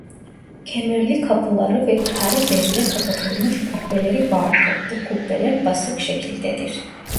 Kemerli kapıları ve kare bezle kapatılmış kubbeleri vardır bu kubbeler basık şekildedir.